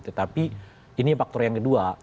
tetapi ini faktor yang kedua